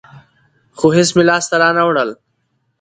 خو هېڅ مې لاس ته رانه وړل.